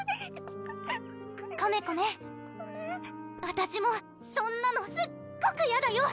あたしもそんなのすっごくやだよ！